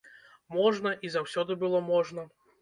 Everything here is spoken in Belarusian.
Можна, і заўсёды было можна.